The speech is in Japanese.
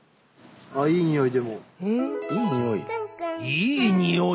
いいにおい？